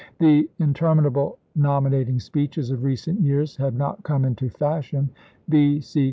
The interminable nominat ing speeches of recent years had not come into fashion: B. C.